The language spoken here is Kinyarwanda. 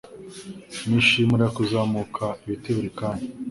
Nishimira kuzamuka ibiti buri kanya.